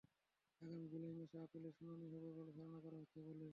আগামী জুলাই মাসে আপিলের শুনানি হবে বলে ধারণা করা হচ্ছে বলে।